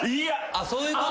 あっそういうこと？